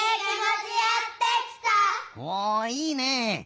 おいいねえ。